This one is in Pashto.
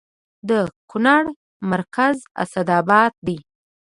د کونړ مرکز اسداباد دی